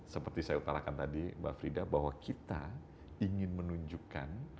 seperti saya utarakan tadi mbak frida bahwa kita ingin menunjukkan